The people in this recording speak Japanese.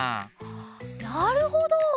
なるほど！